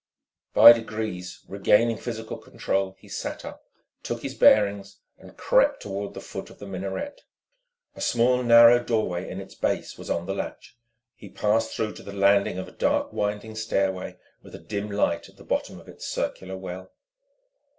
By degrees regaining physical control, he sat up, took his bearings, and crept toward the foot of the minaret. A small, narrow doorway in its base was on the latch. He passed through to the landing of a dark winding stairway with a dim light at the bottom of its circular well.